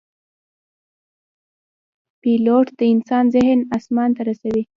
پیلوټ د انسان ذهن آسمان ته رسوي.